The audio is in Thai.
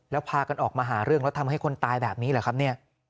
แล้วพากันออกมาหาเรื่องแล้วทำให้คนตายแบบนี้เหรอครับเนี่ย